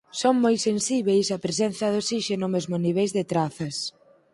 Son moi sensibles á presenza de osíxeno mesmo en niveis de trazas.